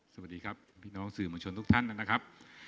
สวัสดีครับพี่น้องสื่อมวลชนทุกท่านนะครับ